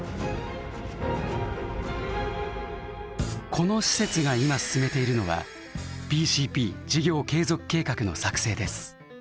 この施設が今進めているのはＢＣＰ事業継続計画の作成です。